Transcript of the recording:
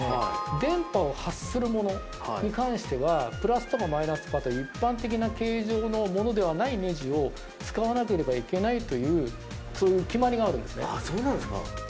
電波を発するものに関してはプラスとかマイナスとかという一般的な形状のものではないねじを使わなければいけないというそうなんですか。